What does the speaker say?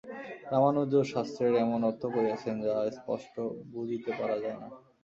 রামানুজও শাস্ত্রের এমন অর্থ করিয়াছেন, যাহা স্পষ্ট বুঝিতে পারা যায় না।